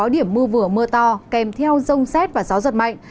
sáu điểm mưa vừa mưa to kèm theo rông xét và gió giật mạnh